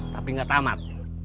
tapi gak tamat